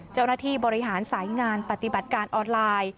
เจ้าหน้าที่บริหารสายงานปฏิบัติการออนไลน์